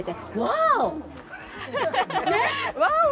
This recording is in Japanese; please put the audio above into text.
「ワオ！」